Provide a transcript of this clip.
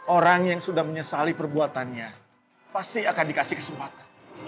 orang yang sudah menyesali perbuatannya pasti akan dikasih kesempatan